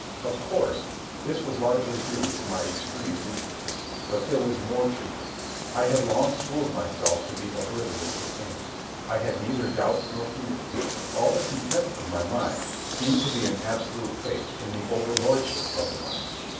Of course, this was largely due to my extreme weakness. But there was more to it. I had long schooled myself to be oblivious to pain. I had neither doubts nor fears. All the content of my mind seemed to be an absolute faith in the over lordship of the mind.